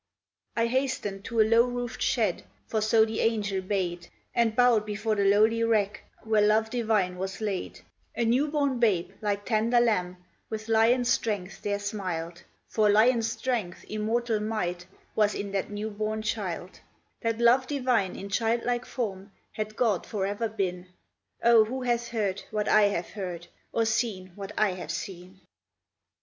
I hasted to a low roofed shed, for so the Angel bade; And bowed before the lowly rack where Love Divine was laid: A new born Babe, like tender Lamb, with Lion's strength there smiled; For Lion's strength immortal might, was in that new born Child; That Love Divine in child like form had God for ever been: O, who hath heard what I have heard, or seen what I have seen?